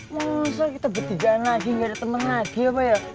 masa kita berdiri lagi gak ada temen lagi apa ya